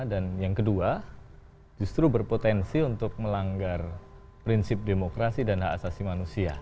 dan yang kedua justru berpotensi untuk melanggar prinsip demokrasi dan hak asasi manusia